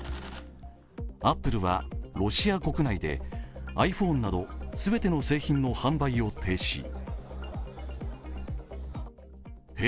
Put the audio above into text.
アップルはロシア国内でｉＰｈｏｎｅなど全ての製品を販売を停止。